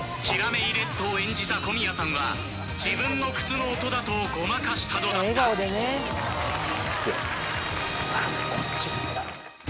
［キラメイレッドを演じた小宮さんは自分の靴の音だとごまかしたのだった］